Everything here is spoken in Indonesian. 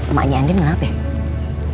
emaknya andin kenapa ya